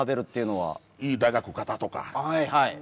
はいはい。